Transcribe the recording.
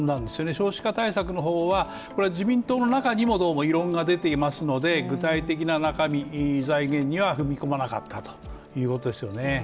少子化対策の方には自民党の中にもどうも異論が出ていますので、具体的な中身、財源には踏み込まなかったということですよね。